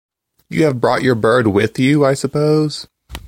You have brought your bird with you, I suppose?